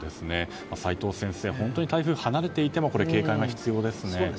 齋藤先生、台風が離れていても警戒が必要ですね。